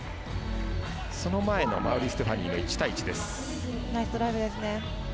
その前の馬瓜ステファニーの１対１です。